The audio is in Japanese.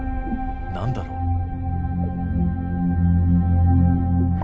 何だろう。